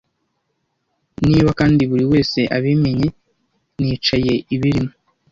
Niba kandi buriwese abimenye nicaye ibirimo.